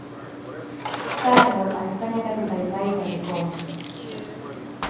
karol alifanya kazi mbalimbali za mikono